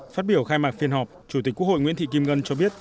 phát biểu khai mạc phiên họp chủ tịch quốc hội nguyễn thị kim ngân cho biết